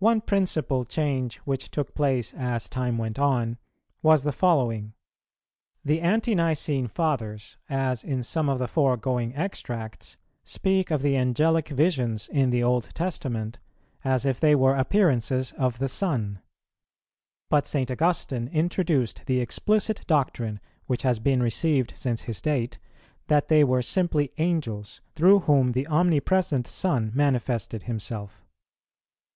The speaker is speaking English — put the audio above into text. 3. One principal change which took place, as time went on, was the following: the Ante nicene Fathers, as in some of the foregoing extracts, speak of the Angelic visions in the Old Testament as if they were appearances of the Son; but St. Augustine introduced the explicit doctrine, which has been received since his date, that they were simply Angels, through whom the Omnipresent Son manifested Himself.